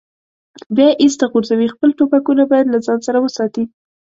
بیا یې ایسته غورځوي، خپل ټوپکونه باید له ځان سره وساتي.